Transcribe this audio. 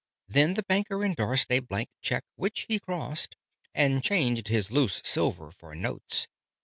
Then the Banker endorsed a blank cheque (which he crossed), And changed his loose silver for notes.